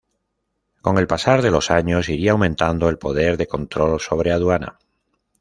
Con el pasar de los años iría aumentando el poder de control sobre aduana.